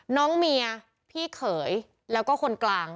น้องเมียพี่เขยแล้วก็คนกลาง